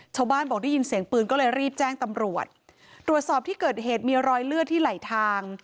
บอกได้ยินเสียงปืนก็เลยรีบแจ้งตำรวจตรวจสอบที่เกิดเหตุมีรอยเลือดที่ไหลทาง